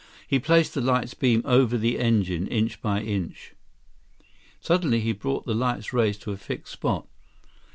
He placed the light's beam over the engine, inch by inch. Suddenly he brought the light's rays to a fixed spot.